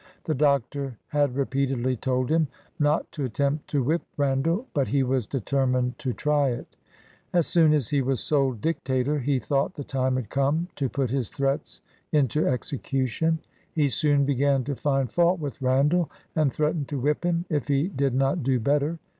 The Doctor had re peatedly told him not to attempt to whip Randall, but he was determined to try it. As soon as he was sole dictator, he thought the time had come to put his threats into execution. He soon began to find fault with Randall, and threatened to whip him if he did not do better.